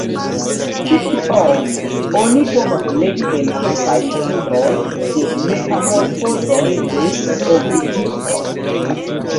Ĉi tion oni povas legi en kelkaj ĉapitroj de Metamorfozoj de Ovidio.